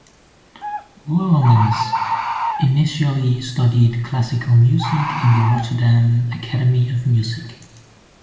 Vloeimans initially studied classical music at the Rotterdam Academy of Music.